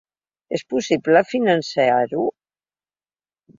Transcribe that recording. És possible finançar-ho?